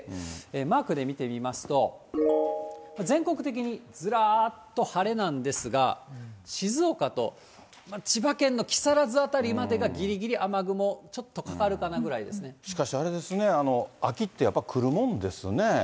マークで見てみますと、全国的にずらっと晴れなんですが、静岡と、千葉県の木更津辺りまでが、ぎりぎり雨雲、ちょっとかかるかなくしかしあれですね、秋ってやっぱ来るもんですね。